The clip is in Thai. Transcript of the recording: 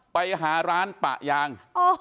ไปหาร้านปะยาง